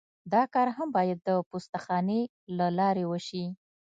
دا کار هم باید د پوسته خانې له لارې وشي